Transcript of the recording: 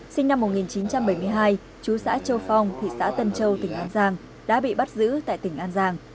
sinh năm một nghìn chín trăm bảy mươi hai chú xã châu phong thị xã tân châu tỉnh an giang đã bị bắt giữ tại tỉnh an giang